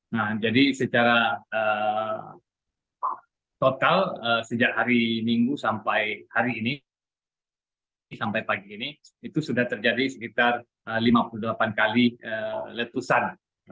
nah jadi secara total sejak hari minggu sampai hari ini sampai pagi ini itu sudah terjadi sekitar lima puluh delapan kali letusan